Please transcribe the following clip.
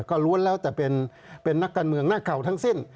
ก็ล้วนแล้วแต่เป็นนักการเมืองหน้าเก่าทั้งสิ้น